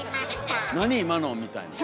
「何今の」みたいな。